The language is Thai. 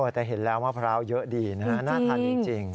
แต่เห็นแล้วมะพร้าวเยอะดีนะฮะน่าทานจริง